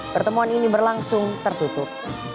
pertemuan ini berlangsung tertutup